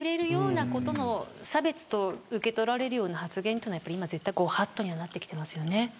やはり、人の見た目に触れるようなことの差別と受け取られるような発言というのはやっぱり今、絶対ご法度にはなってきてますよね。